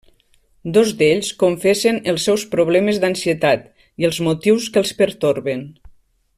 Dos d'ells, confessen els seus problemes d'ansietat i els motius que els pertorben.